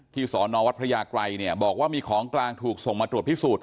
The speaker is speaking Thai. สอนอวัดพระยากรัยเนี่ยบอกว่ามีของกลางถูกส่งมาตรวจพิสูจน